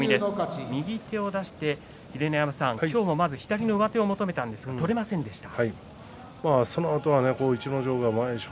秀ノ山さん、今日もまず左の上手を求めたんですが取れませんでした。